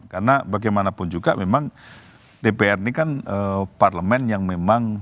karena bagaimanapun juga memang dpr ini kan parlemen yang memang